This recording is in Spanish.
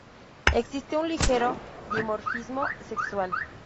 Existe un ligero dimorfismo sexual.